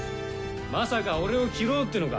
まさか俺を斬ろうっていうのか？